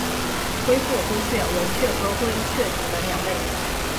灰腹灰雀为雀科灰雀属的鸟类。